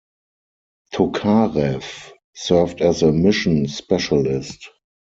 Tokarev served as a Mission Specialist.